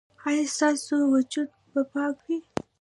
ایا ستاسو وجود به پاک وي؟